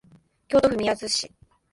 京都府宮津市